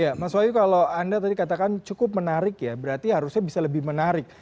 ya mas wayu kalau anda tadi katakan cukup menarik ya berarti harusnya bisa dikonservasi